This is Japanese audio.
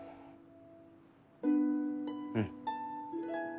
うん。